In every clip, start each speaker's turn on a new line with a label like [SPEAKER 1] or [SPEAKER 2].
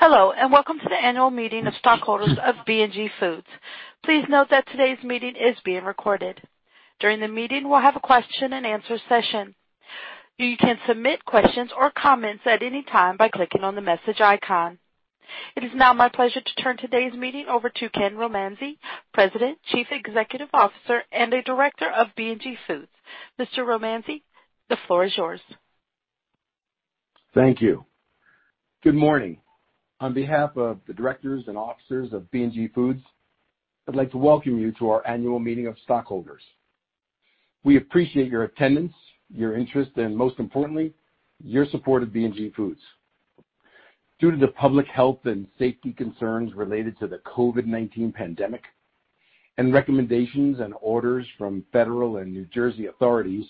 [SPEAKER 1] Hello, welcome to the annual meeting of stockholders of B&G Foods. Please note that today's meeting is being recorded. During the meeting, we'll have a question and answer session. You can submit questions or comments at any time by clicking on the message icon. It is now my pleasure to turn today's meeting over to Kenneth Romanzi, President, Chief Executive Officer, and a director of B&G Foods. Mr. Romanzi, the floor is yours.
[SPEAKER 2] Thank you. Good morning. On behalf of the directors and officers of B&G Foods, I'd like to welcome you to our annual meeting of stockholders. We appreciate your attendance, your interest, and most importantly, your support of B&G Foods. Due to the public health and safety concerns related to the COVID-19 pandemic and recommendations and orders from federal and New Jersey authorities,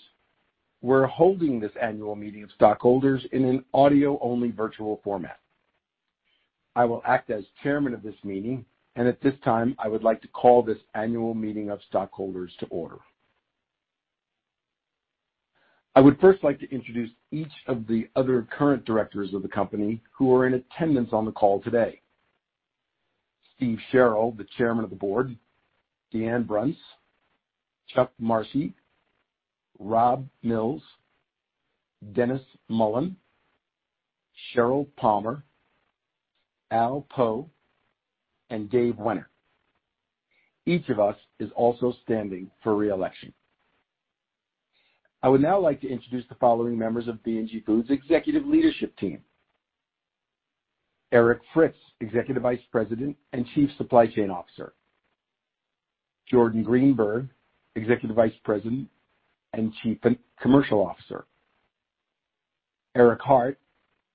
[SPEAKER 2] we're holding this annual meeting of stockholders in an audio-only virtual format. I will act as chairman of this meeting, and at this time, I would like to call this annual meeting of stockholders to order. I would first like to introduce each of the other current directors of the company who are in attendance on the call today. Steve Sherrill, the Chairman of the Board, DeAnn Brunts, Chuck Marcy, Rob Mills, Dennis Mullen, Cheryl Palmer, Al Poe, and Dave Wenner. Each of us is also standing for re-election. I would now like to introduce the following members of B&G Foods' executive leadership team. Erich Fritz, Executive Vice President and Chief Supply Chain Officer. Jordan Greenberg, Executive Vice President and Chief Commercial Officer. Eric Hart,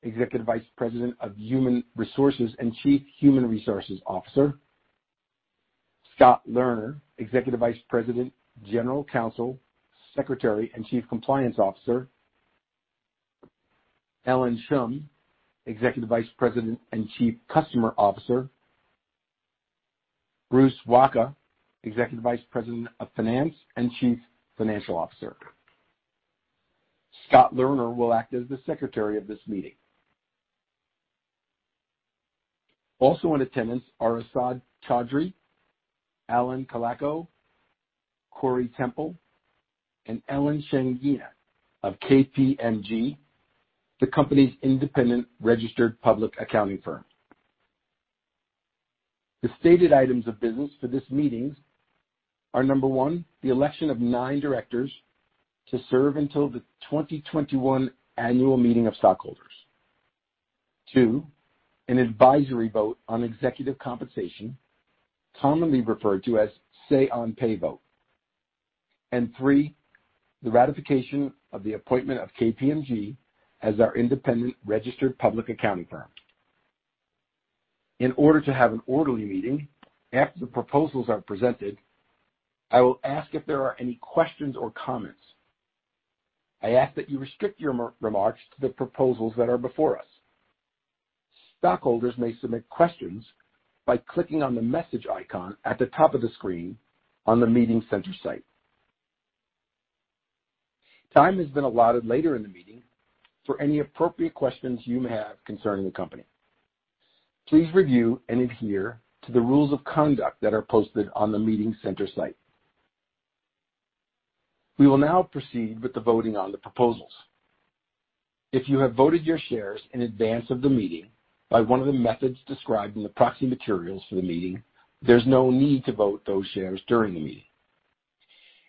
[SPEAKER 2] Executive Vice President of Human Resources and Chief Human Resources Officer. Scott Lerner, Executive Vice President, General Counsel, Secretary, and Chief Compliance Officer. Ellen Schum, Executive Vice President and Chief Customer Officer. Bruce Wacha, Executive Vice President of Finance and Chief Financial Officer. Scott Lerner will act as the secretary of this meeting. Also in attendance are Asad Chaudry, Alan Colaco, Corey Temple, and Ellen Shaneena of KPMG, the company's independent registered public accounting firm. The stated items of business for this meeting are, number one, the election of nine directors to serve until the 2021 annual meeting of stockholders. Two, an advisory vote on executive compensation, commonly referred to as say-on-pay vote. Three, the ratification of the appointment of KPMG as our independent registered public accounting firm. In order to have an orderly meeting, after the proposals are presented, I will ask if there are any questions or comments. I ask that you restrict your remarks to the proposals that are before us. Stockholders may submit questions by clicking on the message icon at the top of the screen on the Meeting Center Site. Time has been allotted later in the meeting for any appropriate questions you may have concerning the company. Please review and adhere to the rules of conduct that are posted on the Meeting Center Site. We will now proceed with the voting on the proposals. If you have voted your shares in advance of the meeting by one of the methods described in the proxy materials for the meeting, there's no need to vote those shares during the meeting.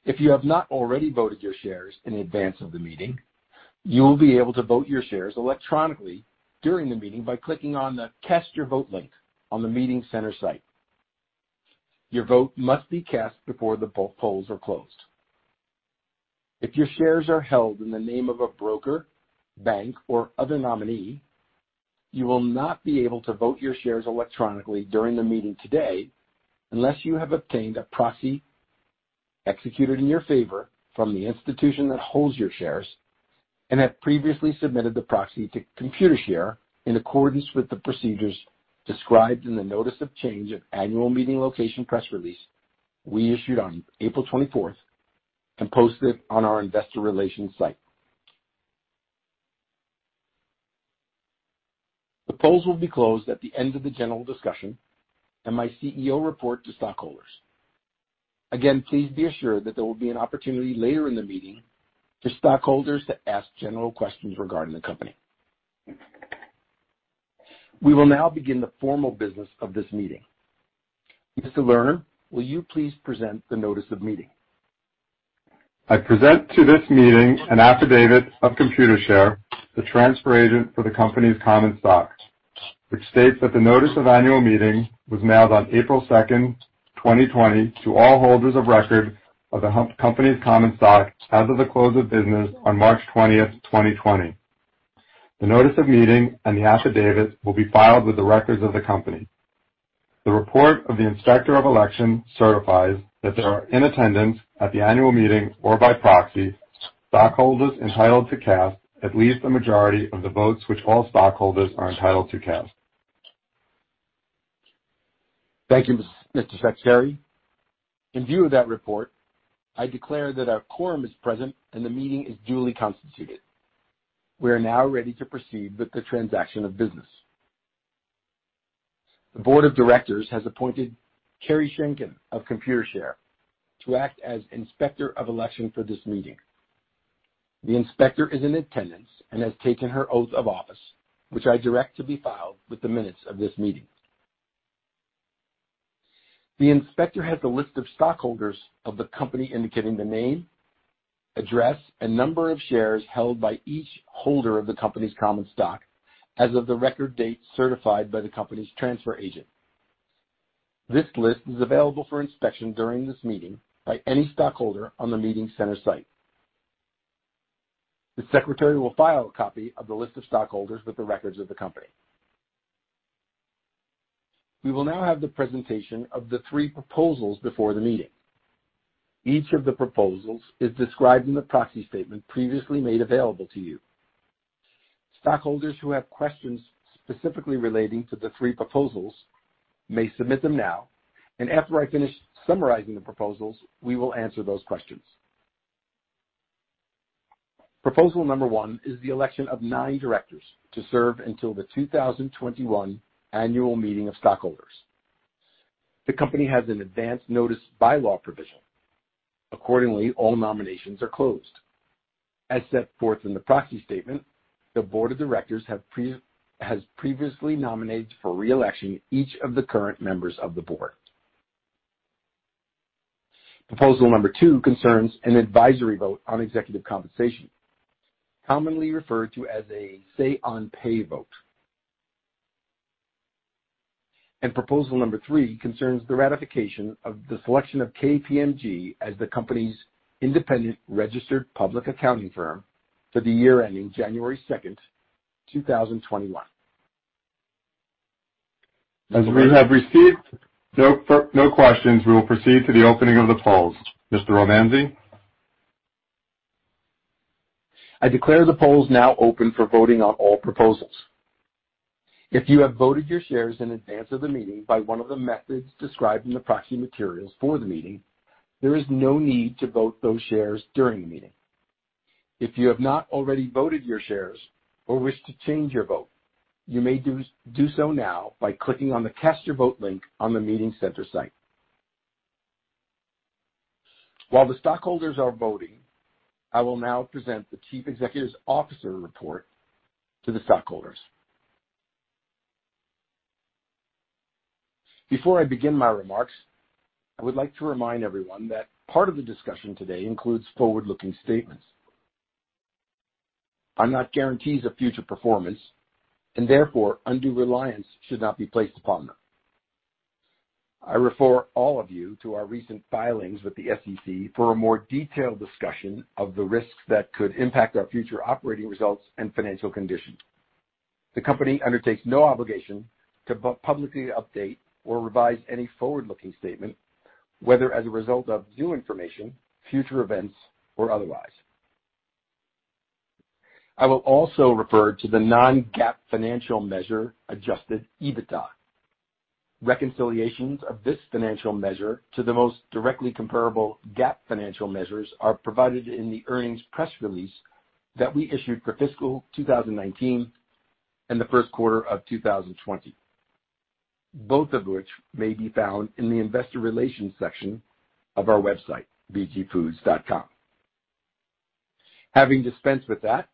[SPEAKER 2] If you have not already voted your shares in advance of the meeting, you will be able to vote your shares electronically during the meeting by clicking on the Cast Your Vote link on the Meeting Center Site. Your vote must be cast before the polls are closed. If your shares are held in the name of a broker, bank, or other nominee, you will not be able to vote your shares electronically during the meeting today unless you have obtained a proxy executed in your favor from the institution that holds your shares and have previously submitted the proxy to Computershare in accordance with the procedures described in the Notice of Change of Annual Meeting Location press release we issued on April 24th and posted on our investor relations site. The polls will be closed at the end of the general discussion and my CEO report to stockholders. Again, please be assured that there will be an opportunity later in the meeting for stockholders to ask general questions regarding the company. We will now begin the formal business of this meeting. Mr. Lerner, will you please present the notice of meeting?
[SPEAKER 3] I present to this meeting an affidavit of Computershare, the transfer agent for the company's common stock, which states that the notice of annual meeting was mailed on April 2nd, 2020 to all holders of record of the company's common stock as of the close of business on March 20th, 2020. The notice of meeting and the affidavit will be filed with the records of the company. The report of the Inspector of Election certifies that there are in attendance at the annual meeting or by proxy stockholders entitled to cast at least a majority of the votes which all stockholders are entitled to cast.
[SPEAKER 2] Thank you, Mr. Secretary. In view of that report, I declare that our quorum is present and the meeting is duly constituted. We are now ready to proceed with the transaction of business. The Board of Directors has appointed Kerry Shenkin of Computershare to act as Inspector of Election for this meeting. The Inspector is in attendance and has taken her oath of office, which I direct to be filed with the minutes of this meeting. The Inspector has a list of stockholders of the company indicating the name, address, and number of shares held by each holder of the company's common stock as of the record date certified by the company's transfer agent. This list is available for inspection during this meeting by any stockholder on the Meeting Center site. The Secretary will file a copy of the list of stockholders with the records of the company. We will now have the presentation of the three proposals before the meeting. Each of the proposals is described in the proxy statement previously made available to you. Stockholders who have questions specifically relating to the three proposals may submit them now, and after I finish summarizing the proposals, we will answer those questions. Proposal number one is the election of nine directors to serve until the 2021 annual meeting of stockholders. The company has an advanced notice bylaw provision. Accordingly, all nominations are closed. As set forth in the proxy statement, the board of directors has previously nominated for re-election each of the current members of the board. Proposal number two concerns an advisory vote on executive compensation, commonly referred to as a "say on pay" vote. Proposal number three concerns the ratification of the selection of KPMG as the company's independent registered public accounting firm for the year ending January second, 2021.
[SPEAKER 3] As we have received no questions, we will proceed to the opening of the polls. Mr. Romanzi?
[SPEAKER 2] I declare the polls now open for voting on all proposals. If you have voted your shares in advance of the meeting by one of the methods described in the proxy materials for the meeting, there is no need to vote those shares during the meeting. If you have not already voted your shares or wish to change your vote, you may do so now by clicking on the Cast your vote link on the Meeting Center site. While the stockholders are voting, I will now present the Chief Executive Officer report to the stockholders. Before I begin my remarks, I would like to remind everyone that part of the discussion today includes forward-looking statements, are not guarantees of future performance, and therefore undue reliance should not be placed upon them. I refer all of you to our recent filings with the SEC for a more detailed discussion of the risks that could impact our future operating results and financial condition. The company undertakes no obligation to publicly update or revise any forward-looking statement, whether as a result of new information, future events, or otherwise. I will also refer to the non-GAAP financial measure adjusted EBITDA. Reconciliations of this financial measure to the most directly comparable GAAP financial measures are provided in the earnings press release that we issued for fiscal 2019 and the first quarter of 2020, both of which may be found in the investor relations section of our website, bgfoods.com. Having dispensed with that,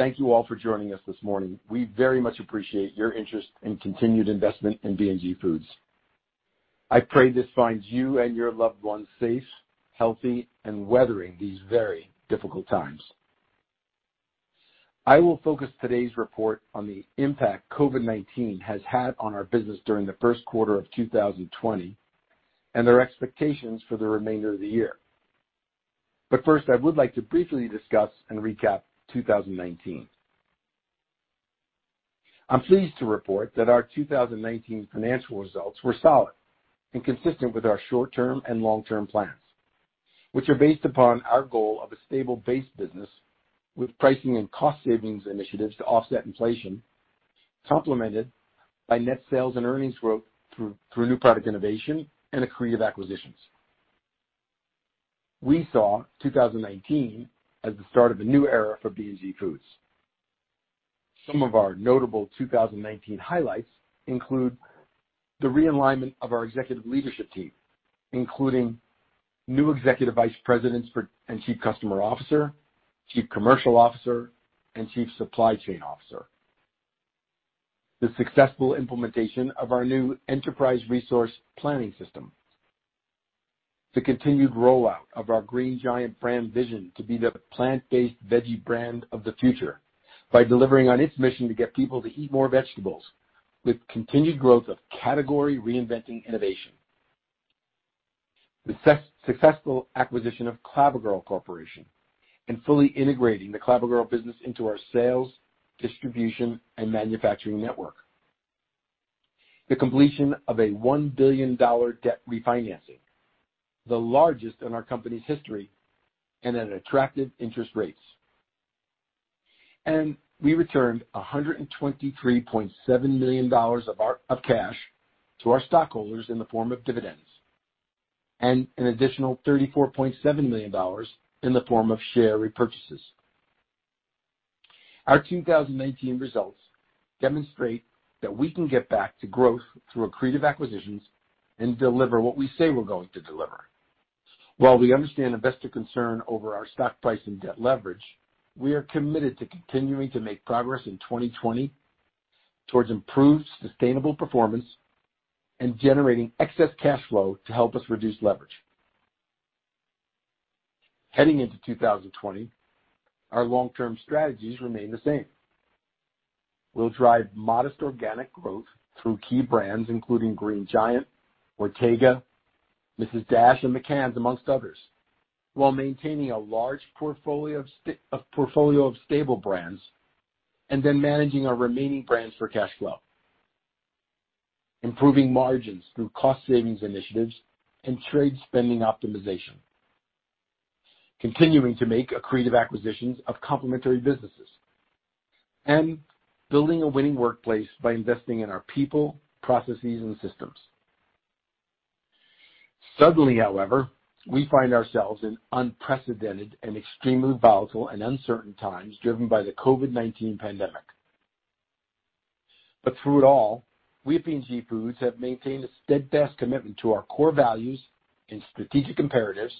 [SPEAKER 2] thank you all for joining us this morning. We very much appreciate your interest and continued investment in B&G Foods. I pray this finds you and your loved ones safe, healthy, and weathering these very difficult times. I will focus today's report on the impact COVID-19 has had on our business during the first quarter of 2020 and our expectations for the remainder of the year. First, I would like to briefly discuss and recap 2019. I'm pleased to report that our 2019 financial results were solid and consistent with our short-term and long-term plans, which are based upon our goal of a stable base business with pricing and cost savings initiatives to offset inflation, complemented by net sales and earnings growth through new product innovation and accretive acquisitions. We saw 2019 as the start of a new era for B&G Foods. Some of our notable 2019 highlights include the realignment of our executive leadership team, including new executive vice presidents and Chief Customer Officer, Chief Commercial Officer, and Chief Supply Chain Officer. The successful implementation of our new enterprise resource planning system. The continued rollout of our Green Giant brand vision to be the plant-based veggie brand of the future by delivering on its mission to get people to eat more vegetables with continued growth of category reinventing innovation. The successful acquisition of Clabber Girl Corporation and fully integrating the Clabber Girl business into our sales, distribution, and manufacturing network. The completion of a $1 billion debt refinancing, the largest in our company's history, and at attractive interest rates. We returned $123.7 million of cash to our stockholders in the form of dividends, and an additional $34.7 million in the form of share repurchases. Our 2019 results demonstrate that we can get back to growth through accretive acquisitions and deliver what we say we're going to deliver. While we understand investor concern over our stock price and debt leverage, we are committed to continuing to make progress in 2020 towards improved, sustainable performance and generating excess cash flow to help us reduce leverage. Heading into 2020, our long-term strategies remain the same. We'll drive modest organic growth through key brands including Green Giant, Ortega, Mrs. Dash, and McCann's, amongst others, while maintaining a large portfolio of stable brands, and then managing our remaining brands for cash flow. Improving margins through cost savings initiatives and trade spending optimization. Continuing to make accretive acquisitions of complementary businesses. Building a winning workplace by investing in our people, processes, and systems. Suddenly, however, we find ourselves in unprecedented and extremely volatile and uncertain times driven by the COVID-19 pandemic. Through it all, we at B&G Foods have maintained a steadfast commitment to our core values and strategic imperatives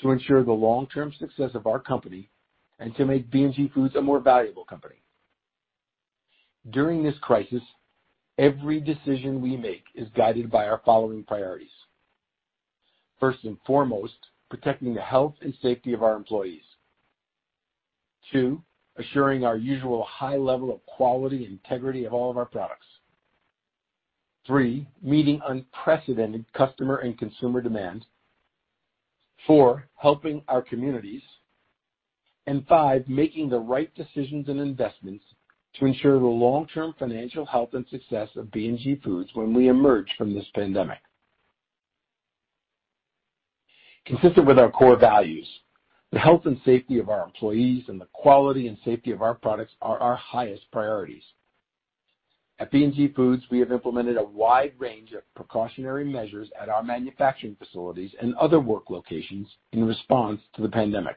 [SPEAKER 2] to ensure the long-term success of our company and to make B&G Foods a more valuable company. During this crisis, every decision we make is guided by our following priorities. First and foremost, protecting the health and safety of our employees. Two, assuring our usual high level of quality and integrity of all of our products. Three, meeting unprecedented customer and consumer demand. Four, helping our communities. Five, making the right decisions and investments to ensure the long-term financial health and success of B&G Foods when we emerge from this pandemic. Consistent with our core values, the health and safety of our employees and the quality and safety of our products are our highest priorities. At B&G Foods, we have implemented a wide range of precautionary measures at our manufacturing facilities and other work locations in response to the pandemic.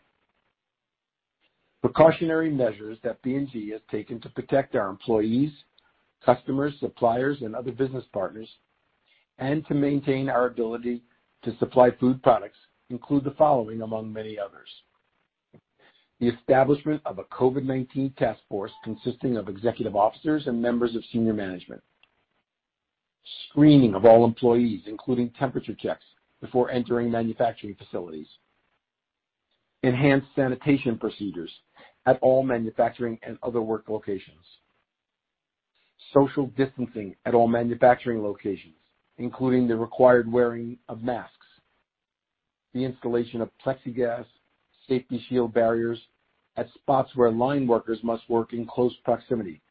[SPEAKER 2] Precautionary measures that B&G has taken to protect our employees, customers, suppliers, and other business partners, and to maintain our ability to supply food products include the following, among many others. The establishment of a COVID-19 task force consisting of executive officers and members of senior management. Screening of all employees, including temperature checks before entering manufacturing facilities. Enhanced sanitation procedures at all manufacturing and other work locations. Social distancing at all manufacturing locations, including the required wearing of masks. The installation of plexiglass safety shield barriers at spots where line workers must work in close proximity.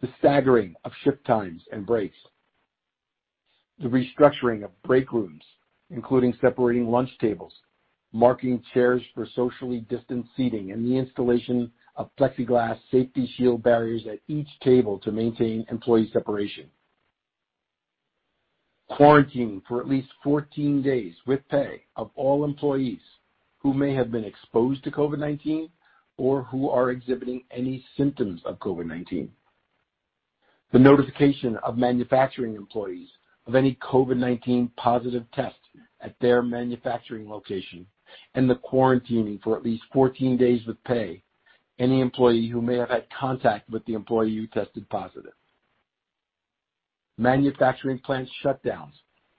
[SPEAKER 2] The staggering of shift times and breaks. The restructuring of break rooms, including separating lunch tables, marking chairs for socially distant seating, and the installation of plexiglass safety shield barriers at each table to maintain employee separation. Quarantine for at least 14 days with pay of all employees who may have been exposed to COVID-19 or who are exhibiting any symptoms of COVID-19. The notification of manufacturing employees of any COVID-19 positive test at their manufacturing location, and the quarantining for at least 14 days with pay any employee who may have had contact with the employee who tested positive. Manufacturing plant shutdowns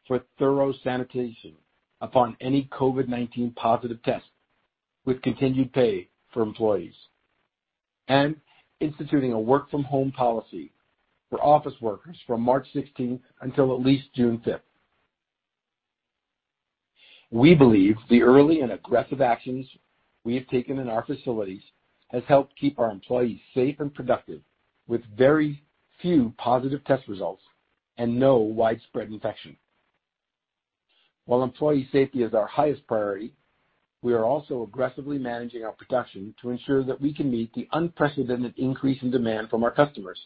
[SPEAKER 2] for thorough sanitation upon any COVID-19 positive test with continued pay for employees. Instituting a work-from-home policy for office workers from March 16th until at least June 5th. We believe the early and aggressive actions we have taken in our facilities has helped keep our employees safe and productive with very few positive test results and no widespread infection. While employee safety is our highest priority, we are also aggressively managing our production to ensure that we can meet the unprecedented increase in demand from our customers.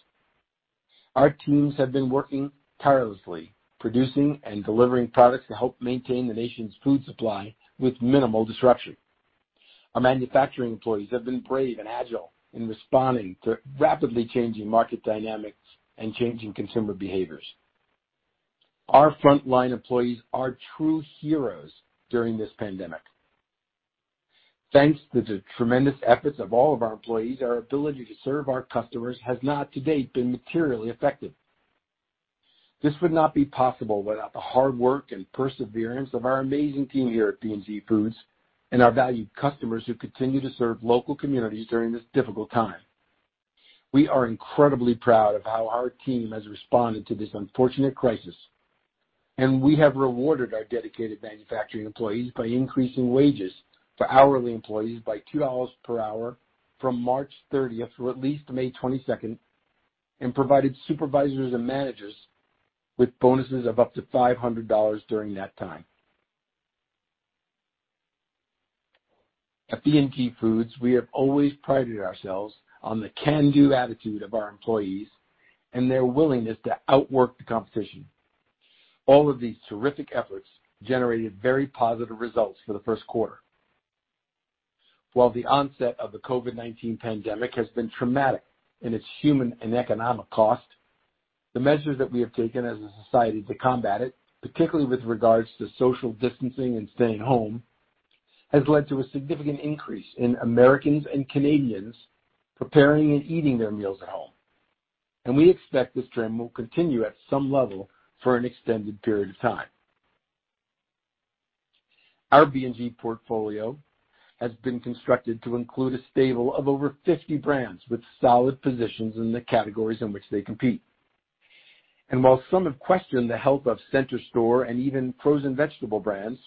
[SPEAKER 2] Our teams have been working tirelessly, producing and delivering products to help maintain the nation's food supply with minimal disruption. Our manufacturing employees have been brave and agile in responding to rapidly changing market dynamics and changing consumer behaviors. Our frontline employees are true heroes during this pandemic. Thanks to the tremendous efforts of all of our employees, our ability to serve our customers has not to date been materially affected. This would not be possible without the hard work and perseverance of our amazing team here at B&G Foods and our valued customers who continue to serve local communities during this difficult time. We are incredibly proud of how our team has responded to this unfortunate crisis, and we have rewarded our dedicated manufacturing employees by increasing wages for hourly employees by $2 per hour from March 30th through at least May 22nd and provided supervisors and managers with bonuses of up to $500 during that time. At B&G Foods, we have always prided ourselves on the can-do attitude of our employees and their willingness to outwork the competition. All of these terrific efforts generated very positive results for the first quarter. While the onset of the COVID-19 pandemic has been traumatic in its human and economic cost, the measures that we have taken as a society to combat it, particularly with regards to social distancing and staying home, has led to a significant increase in Americans and Canadians preparing and eating their meals at home. We expect this trend will continue at some level for an extended period of time. Our B&G portfolio has been constructed to include a stable of over 50 brands with solid positions in the categories in which they compete. While some have questioned the health of center store and even frozen vegetable brands,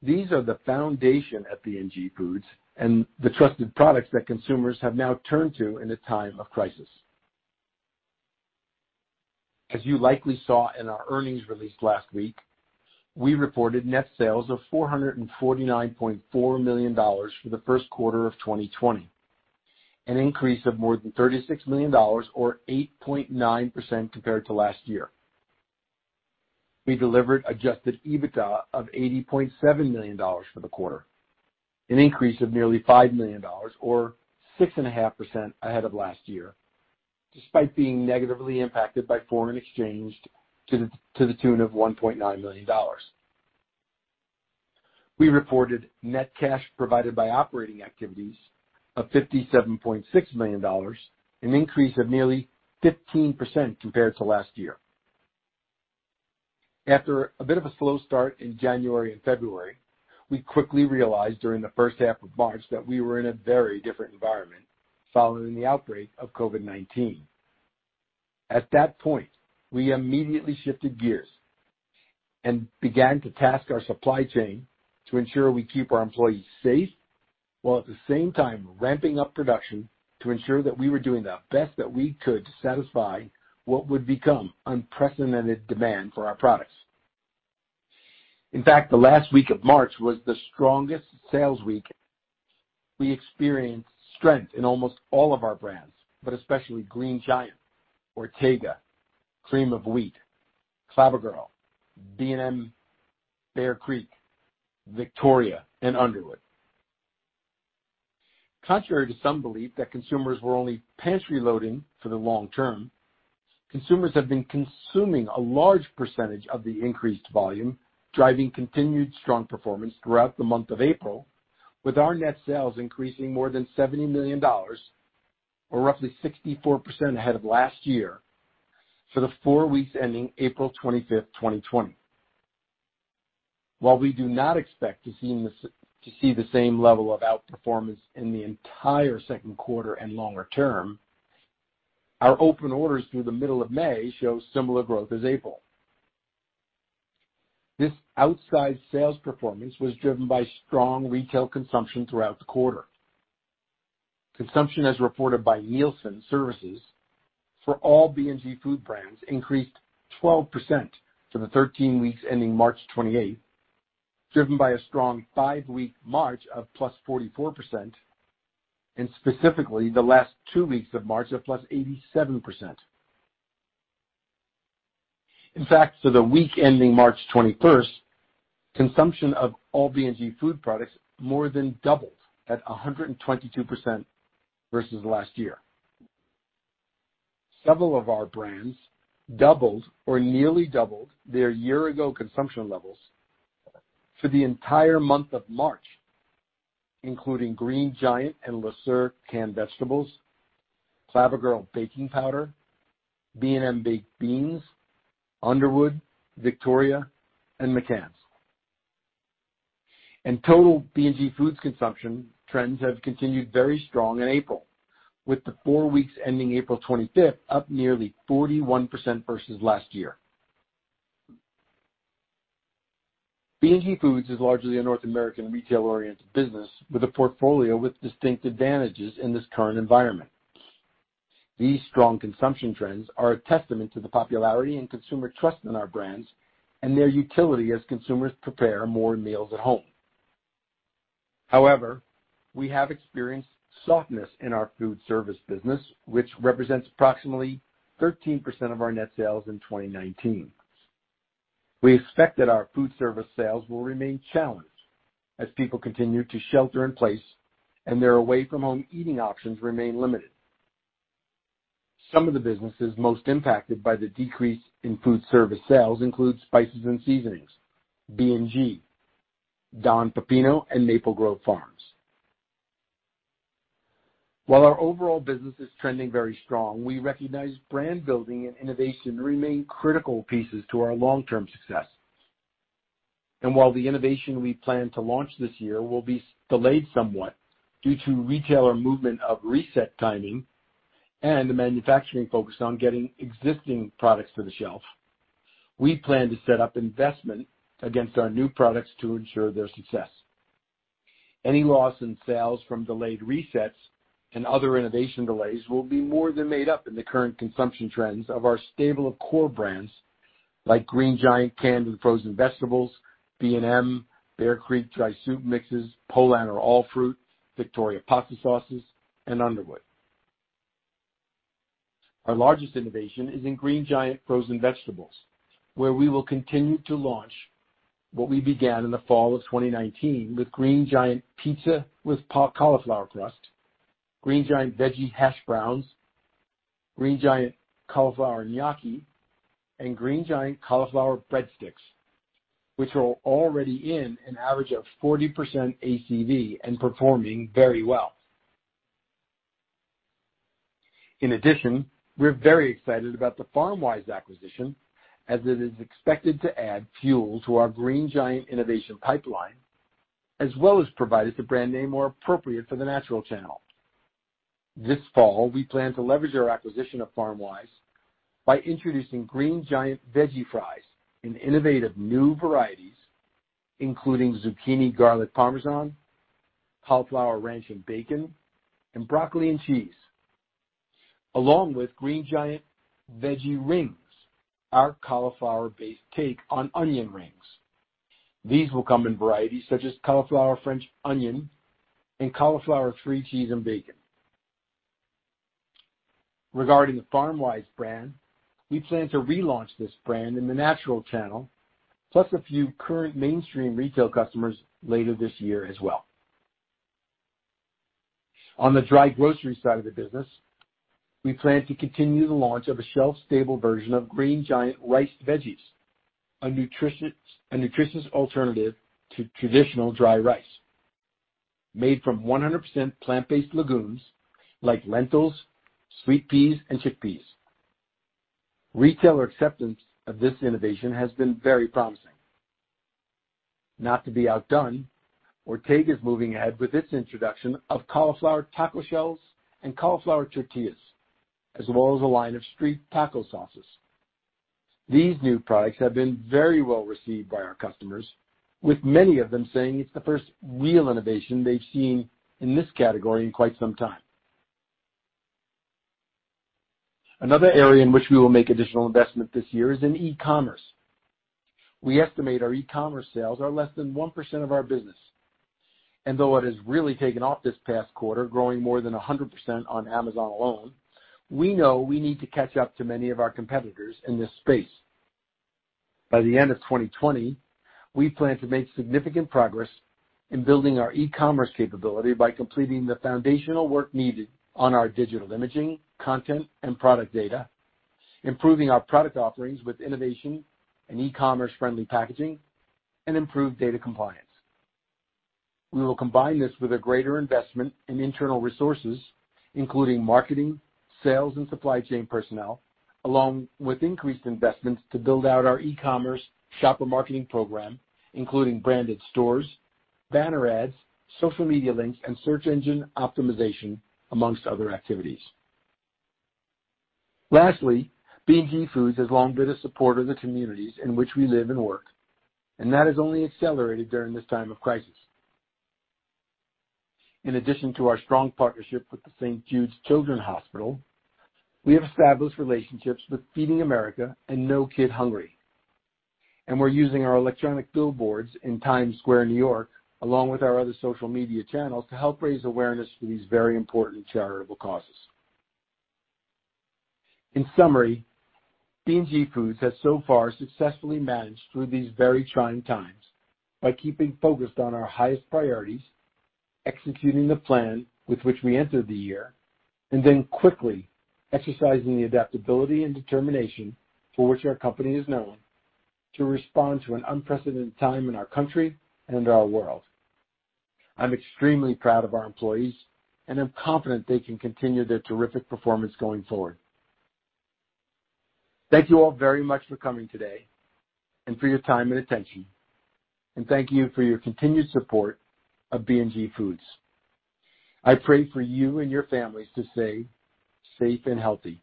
[SPEAKER 2] these are the foundation at B&G Foods and the trusted products that consumers have now turned to in a time of crisis. As you likely saw in our earnings release last week, we reported net sales of $449.4 million for the first quarter of 2020, an increase of more than $36 million or 8.9% compared to last year. We delivered adjusted EBITDA of $80.7 million for the quarter, an increase of nearly $5 million or 6.5% ahead of last year, despite being negatively impacted by foreign exchange to the tune of $1.9 million. We reported net cash provided by operating activities of $57.6 million, an increase of nearly 15% compared to last year. After a bit of a slow start in January and February, we quickly realized during the first half of March that we were in a very different environment following the outbreak of COVID-19. At that point, we immediately shifted gears and began to task our supply chain to ensure we keep our employees safe, while at the same time ramping up production to ensure that we were doing the best that we could to satisfy what would become unprecedented demand for our products. In fact, the last week of March was the strongest sales week. We experienced strength in almost all of our brands, but especially Green Giant, Ortega, Cream of Wheat, Clabber Girl, B&M, Bear Creek, Victoria, and Underwood. Contrary to some belief that consumers were only pantry loading for the long term, consumers have been consuming a large percentage of the increased volume, driving continued strong performance throughout the month of April, with our net sales increasing more than $70 million, or roughly 64% ahead of last year for the four weeks ending April 25th, 2020. While we do not expect to see the same level of outperformance in the entire second quarter and longer term, our open orders through the middle of May show similar growth as April. This outsized sales performance was driven by strong retail consumption throughout the quarter. Consumption, as reported by Nielsen for all B&G Foods brands, increased 12% for the 13 weeks ending March 28th, driven by a strong five-week March of +44%, and specifically the last two weeks of March of +87%. In fact, for the week ending March 21st, consumption of all B&G Foods products more than doubled at 122% versus last year. Several of our brands doubled or nearly doubled their year-ago consumption levels for the entire month of March, including Green Giant and Le Sueur canned vegetables, Clabber Girl baking powder, B&M baked beans, Underwood, Victoria, and McCann's. Total B&G Foods consumption trends have continued very strong in April, with the 4 weeks ending April 25th up nearly 41% versus last year. B&G Foods is largely a North American retail-oriented business with a portfolio with distinct advantages in this current environment. These strong consumption trends are a testament to the popularity and consumer trust in our brands and their utility as consumers prepare more meals at home. We have experienced softness in our food service business, which represents approximately 13% of our net sales in 2019. We expect that our food service sales will remain challenged as people continue to shelter in place and their away-from-home eating options remain limited. Some of the businesses most impacted by the decrease in food service sales include spices and seasonings, B&G, Don Pepino, and Maple Grove Farms. While our overall business is trending very strong, we recognize brand building and innovation remain critical pieces to our long-term success. While the innovation we plan to launch this year will be delayed somewhat due to retailer movement of reset timing and the manufacturing focus on getting existing products to the shelf, we plan to set up investment against our new products to ensure their success. Any loss in sales from delayed resets and other innovation delays will be more than made up in the current consumption trends of our stable of core brands like Green Giant canned and frozen vegetables, B&M, Bear Creek dry soup mixes, Polaner All Fruit, Victoria pasta sauces, and Underwood. Our largest innovation is in Green Giant frozen vegetables, where we will continue to launch what we began in the fall of 2019 with Green Giant pizza with cauliflower crust, Green Giant Veggie Hash Browns, Green Giant Cauliflower Gnocchi, and Green Giant Cauliflower Breadsticks, which are already in an average of 40% ACV and performing very well. In addition, we're very excited about the Farmwise acquisition, as it is expected to add fuel to our Green Giant innovation pipeline, as well as provide us a brand name more appropriate for the natural channel. This fall, we plan to leverage our acquisition of Farmwise by introducing Green Giant Veggie Fries in innovative new varieties, including Zucchini Garlic Parmesan, Cauliflower Ranch and Bacon, and Broccoli and cheese, along with Green Giant Veggie Rings, our cauliflower-based take on onion rings. These will come in varieties such as Cauliflower French Onion and Cauliflower Three Cheese and Bacon. Regarding the Farmwise brand, we plan to relaunch this brand in the natural channel, plus a few current mainstream retail customers later this year as well. On the dry grocery side of the business, we plan to continue the launch of a shelf-stable version of Green Giant Riced Veggies, a nutritious alternative to traditional dry rice. Made from 100% plant-based legumes like lentils, sweet peas, and chickpeas. Retailer acceptance of this innovation has been very promising. Not to be outdone, Ortega is moving ahead with its introduction of Cauliflower Taco Shells and Cauliflower Tortillas, as well as a line of Street Taco Sauces. These new products have been very well received by our customers, with many of them saying it's the first real innovation they've seen in this category in quite some time. Another area in which we will make additional investment this year is in e-commerce. Though it has really taken off this past quarter, growing more than 100% on Amazon alone, we know we need to catch up to many of our competitors in this space. By the end of 2020, we plan to make significant progress in building our e-commerce capability by completing the foundational work needed on our digital imaging, content, and product data, improving our product offerings with innovation and e-commerce friendly packaging, and improved data compliance. We will combine this with a greater investment in internal resources, including marketing, sales, and supply chain personnel, along with increased investments to build out our e-commerce shopper marketing program, including branded stores, banner ads, social media links, and search engine optimization, amongst other activities. Lastly, B&G Foods has long been a supporter of the communities in which we live and work, and that has only accelerated during this time of crisis. In addition to our strong partnership with the St. Jude Children's Research Hospital, we have established relationships with Feeding America and No Kid Hungry, and we're using our electronic billboards in Times Square, New York, along with our other social media channels, to help raise awareness for these very important charitable causes. In summary, B&G Foods has so far successfully managed through these very trying times by keeping focused on our highest priorities, executing the plan with which we entered the year, and then quickly exercising the adaptability and determination for which our company is known to respond to an unprecedented time in our country and our world. I'm extremely proud of our employees, and I'm confident they can continue their terrific performance going forward. Thank you all very much for coming today and for your time and attention, and thank you for your continued support of B&G Foods. I pray for you and your families to stay safe and healthy.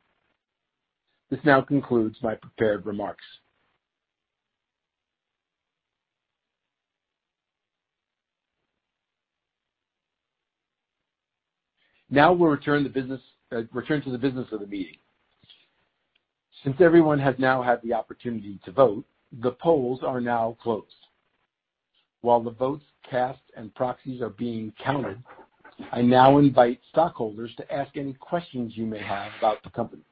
[SPEAKER 2] This now concludes my prepared remarks. Now we'll return to the business of the meeting. Since everyone has now had the opportunity to vote, the polls are now closed. While the votes cast and proxies are being counted, I now invite stockholders to ask any questions you may have about the company.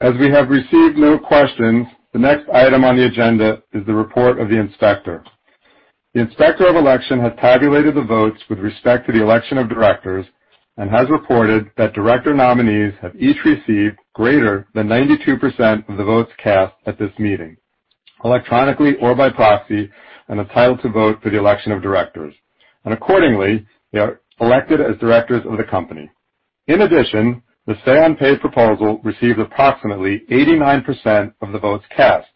[SPEAKER 3] As we have received no questions, the next item on the agenda is the report of the inspector. The inspector of election has tabulated the votes with respect to the election of directors and has reported that director nominees have each received greater than 92% of the votes cast at this meeting, electronically or by proxy, and are entitled to vote for the election of directors, and accordingly, they are elected as directors of the company. In addition, the say-on-pay proposal received approximately 89% of the votes cast,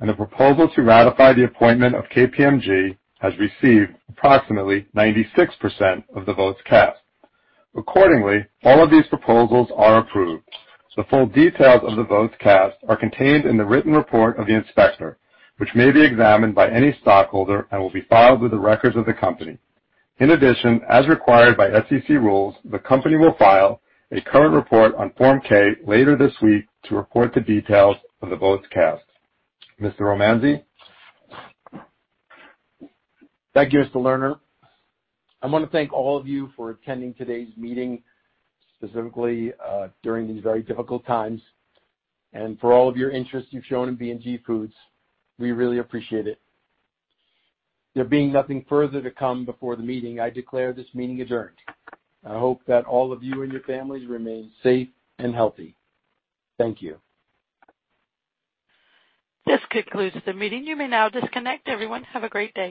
[SPEAKER 3] and the proposal to ratify the appointment of KPMG has received approximately 96% of the votes cast. Accordingly, all of these proposals are approved. The full details of the votes cast are contained in the written report of the inspector, which may be examined by any stockholder and will be filed with the records of the company. In addition, as required by SEC rules, the company will file a current report on Form 8-K later this week to report the details of the votes cast. Mr. Romanzi?
[SPEAKER 2] Thank you, Mr. Lerner. I want to thank all of you for attending today's meeting, specifically during these very difficult times, and for all of your interest you've shown in B&G Foods. We really appreciate it. There being nothing further to come before the meeting, I declare this meeting adjourned. I hope that all of you and your families remain safe and healthy. Thank you.
[SPEAKER 1] This concludes the meeting. You may now disconnect. Everyone, have a great day.